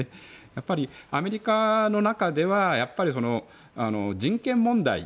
やっぱりアメリカの中では人権問題